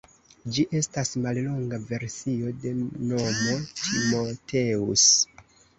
Ĝi estas mallonga versio de nomo Timoteus.